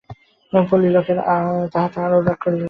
পল্লীর লোকেরা তাহাতে আরো রাগ করিল।